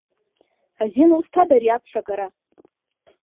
Азин узҭада ари аԥҳә агара?